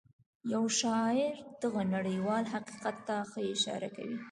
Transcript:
يو شاعر دغه نړيوال حقيقت ته ښه اشاره کوي.